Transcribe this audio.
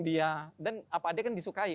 dia dan apa dia kan disukai